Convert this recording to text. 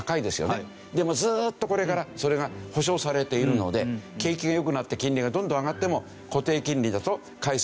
でもずーっとこれからそれが保証されているので景気が良くなって金利がどんどん上がっても。